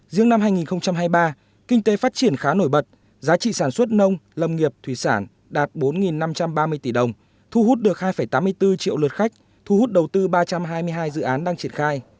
riêng năm hai nghìn hai mươi ba kinh tế phát triển khá nổi bật giá trị sản xuất nông lâm nghiệp thủy sản đạt bốn năm trăm ba mươi tỷ đồng thu hút được hai tám mươi bốn triệu lượt khách thu hút đầu tư ba trăm hai mươi hai dự án đang triển khai